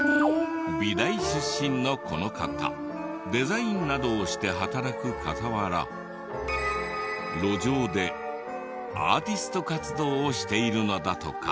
美大出身のこの方デザインなどをして働く傍ら路上でアーティスト活動をしているのだとか。